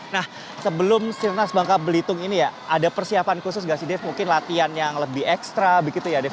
nah sebelum sirnas bangka belitung ini ya ada persiapan khusus gak sih dave mungkin latihan yang lebih ekstra begitu ya dave